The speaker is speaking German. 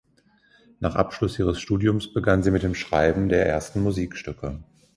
Nach Abschluss ihres Studiums begann sie mit dem Schreiben der ersten Musikstücke.